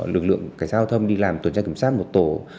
lực lượng cảnh sát giao thông đi làm tuần tra kiểm soát một tổ